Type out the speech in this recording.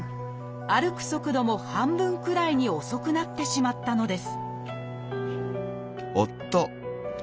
歩く速度も半分くらいに遅くなってしまったのです